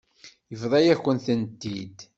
Yebḍa-yakent-tent-id.